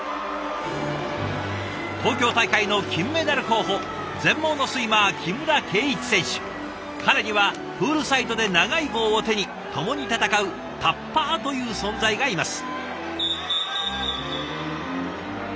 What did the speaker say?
東京大会の金メダル候補彼にはプールサイドで長い棒を手に共に戦う「タッパー」という存在がいます。